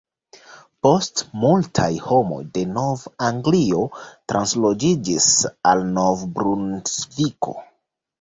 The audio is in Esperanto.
Poste, multaj homoj de Nov-Anglio transloĝiĝis al Nov-Brunsviko.